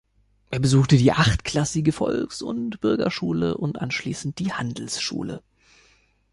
Er besuchte die achtklassige Volks- und Bürgerschule und anschließend die Handelsschule.